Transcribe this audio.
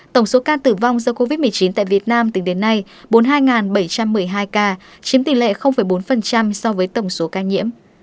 tổng số ca tử vong do covid một mươi chín tại việt nam tính đến nay bốn mươi hai bảy trăm một mươi hai ca chiếm tỷ lệ bốn so với tổng số ca nhiễm